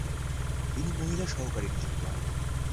তিনি মহিলা সহকারী নিযুক্ত হন।